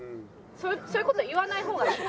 そういう事言わない方がいい？